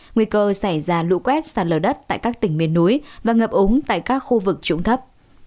nguy cơ xảy ra lũ quét sạt lờ đất tại các tỉnh miền núi và ngập ống tại các khu vực trụng thấp